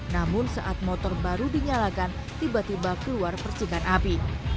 namun saat motor baru dinyalakan tiba tiba keluar percikan api